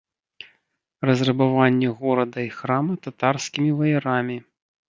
Разрабаванне горада і храма татарскімі ваярамі.